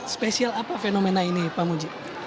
spesial apa fenomena ini pak muji